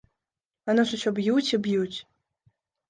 А нас усё б'юць і б'юць!